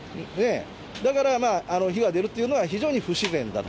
だから、火が出るというのは、非常に不自然だと。